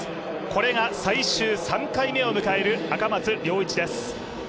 これが最終３回目を迎える赤松諒一です